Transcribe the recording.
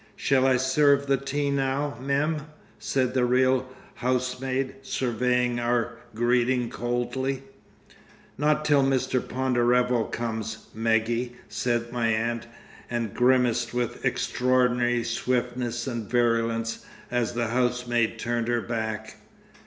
"Shall I serve the tea now, Mem?" said the real housemaid, surveying our greeting coldly. "Not till Mr. Ponderevo comes, Meggie," said my aunt, and grimaced with extraordinary swiftness and virulence as the housemaid turned her back.